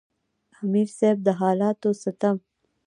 امیر صېب د حالاتو ستم،